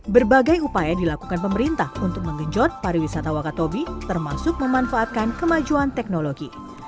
berbagai upaya dilakukan pemerintah untuk menggenjot pariwisata wakatobi termasuk memanfaatkan kemajuan teknologi